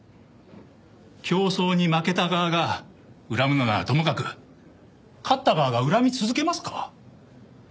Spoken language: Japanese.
競争に負けた側が恨むのならともかく勝った側が恨み続けますか？